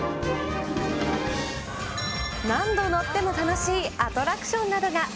何度乗っても楽しいアトラクションなどが。